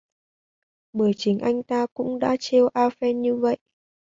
Bởi chính anh ta cũng đã trêu a phen như vậy